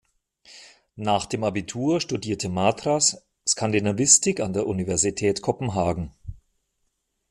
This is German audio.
Nach dem Abitur studierte Matras Skandinavistik an der Universität Kopenhagen.